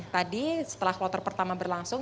tadi setelah kloter pertama berlangsung